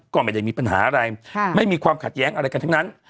ก็ไม่ได้มีปัญหาอะไรไม่มีความขัดแย้งอะไรกันทั้งนั้น